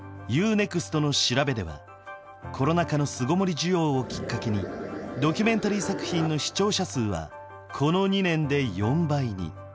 ＮＥＸＴの調べではコロナ禍の巣ごもり需要をきっかけにドキュメンタリー作品の視聴者数はこの２年で４倍に。